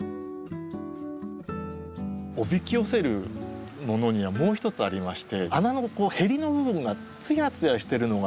おびき寄せるものにはもう一つありまして穴のへりの部分がツヤツヤしてるのが。